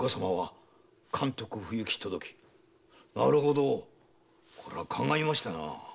なるほどこれは考えましたな。